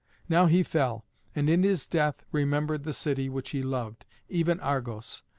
Now he fell, and in his death remembered the city which he loved, even Argos.